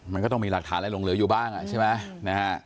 มันก็ต้องมีหลักฐานอะไรหลงเหลืออยู่บ้างใช่ไหมนะฮะ